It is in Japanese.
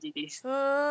うん。